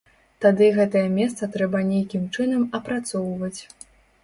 Тады гэтае месца трэба нейкім чынам апрацоўваць.